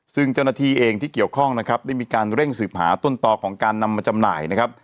ซึ่งเจ้าหน้าที่เองที่เกี่ยวข้องนะครับได้มีการเร่งสืบหาต้นต่อของการนำมาจำหน่ายนะครับ